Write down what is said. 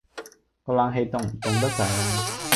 個冷氣凍唔凍得滯呀？